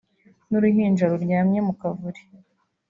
n’uruhinja ruryamye mu kavure